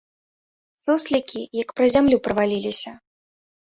Суслікі, як праз зямлю праваліліся.